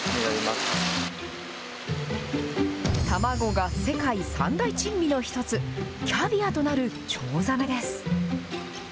卵が世界三大珍味の一つ、キャビアとなるチョウザメです。